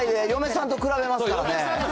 嫁さんと比べますからね。